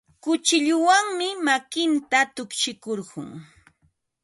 Kuchilluwanmi makinta tukshikurqun.